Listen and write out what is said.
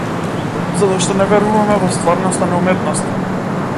Затоа што не веруваме во стварноста на уметноста.